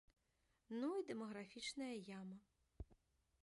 Ну і дэмаграфічная яма.